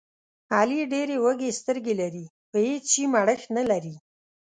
علي ډېرې وږې سترګې لري، په هېڅ شي مړښت نه لري.